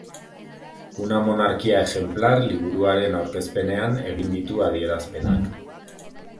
Una monarquia ejemplar liburuaren aurkezpenean egin ditu adierazpenak.